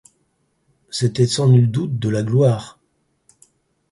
C’était, sans nul doute, de la gloire.